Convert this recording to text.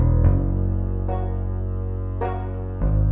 untuk berada dalam